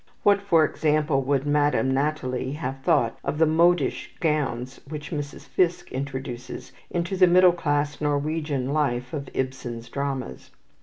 What, for example, would Madame Nathalie have thought of the modish gowns which Mrs. Fiske introduces into the middle class Norwegian life of Ibsen's dramas?